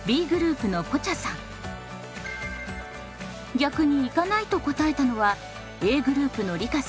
逆に行かないと答えたのはＡグループのりかさん